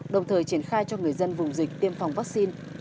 đồng thời triển khai cho người dân vùng dịch tiêm phòng vaccine